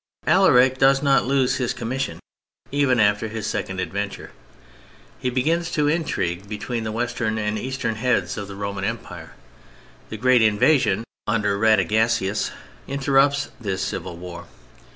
Alaric does not lose his commission even after his second adventure; he begins to intrigue between the Western and Eastern heads of the Roman Empire. The great invasion under Radagasius interrupts this civil war.